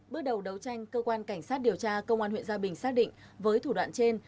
bước đầu đấu tranh cơ quan cảnh sát điều tra công an huyện gia bình xác định với thủ đoạn trên